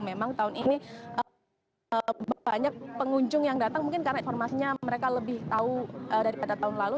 memang tahun ini banyak pengunjung yang datang mungkin karena informasinya mereka lebih tahu daripada tahun lalu